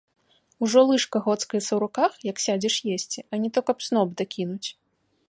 Ужо лыжка гоцкаецца ў руках, як сядзеш есці, а не то каб сноп дакінуць.